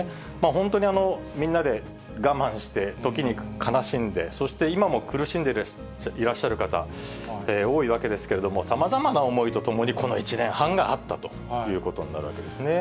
本当にみんなで我慢して、時に悲しんで、そして今も苦しんでいらっしゃる方、多いわけですけれども、さまざまな思いとともに、この１年半があったということになるわけですね。